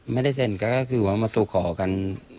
ไม่ได้เซ็นก็คือว่ามาสู่ขอกัน